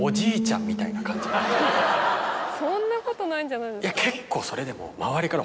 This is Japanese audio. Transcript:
そんなことないんじゃないですか？